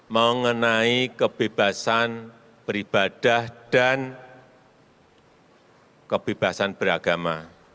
mengenai kebebasan beribadah dan kebebasan beragama